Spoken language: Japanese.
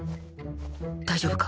大丈夫か？